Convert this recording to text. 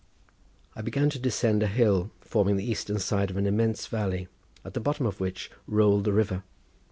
I began to ascend a hill forming the eastern side of an immense valley, at the bottom of which rolled the river.